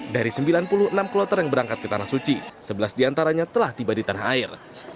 dari sembilan puluh enam kloter yang berangkat ke tanah suci sebelas diantaranya telah tiba di tanah air